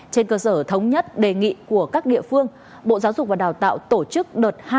trên cơ sở thống nhất đề nghị của các địa phương bộ giáo dục và đào tạo tổ chức đợt hai